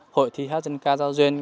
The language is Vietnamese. hội thi hát dân ca giao duyên